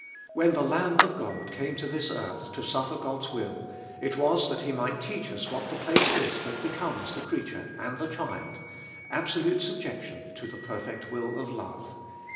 When the Lamb of God came to this earth to suffer God's will, it was that He might teach us what the place is that becomes the creature, and the child — absolute subjection to the perfect will of love.